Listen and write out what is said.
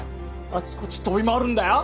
あちこち飛び回るんだよ